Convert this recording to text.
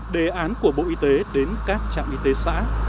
đề án của bộ y tế đến các trạm y tế xã